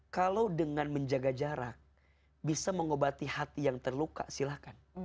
kalau dengan menjaga jarak bisa mengobati hati yang terluka silahkan